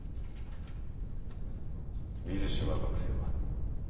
水島学生は？